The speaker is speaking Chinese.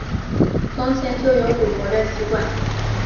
从前就有赌博的习惯